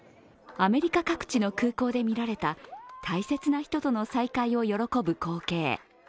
アメリカ各地の空港で見られた大切な人との再会を喜ぶ光景。